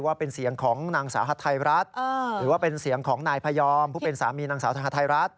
ว่าเป็นเสียงของนางสาวฮัทไทยรัฐหรือว่าเป็นเสียงของนายพยอมผู้เป็นสามีนางสาวทหารรัฐ